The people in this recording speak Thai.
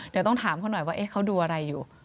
เดี๋ยวต้องถามเขาหน่อยว่าเขาดูอะไรอยู่